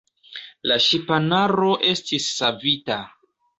La ŝipanaro estis savita.